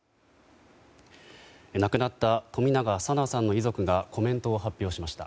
亡くなった冨永紗菜さんの遺族がコメントを発表しました。